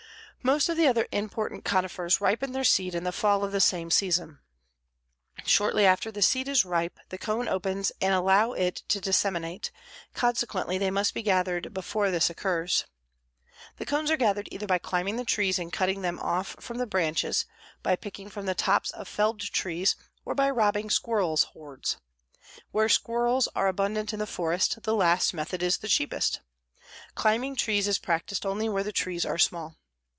Most of the other important conifers ripen their seed in the fall of the same season. Shortly after the seed is ripe, the cones open and allow it to disseminate, consequently they must be gathered before this occurs. The cones are gathered either by climbing the trees and cutting them off from the branches, by picking from the tops of felled trees, or by robbing squirrels' hoards. Where squirrels are abundant in the forest, the last method is the cheapest. Climbing trees is practiced only where the trees are small.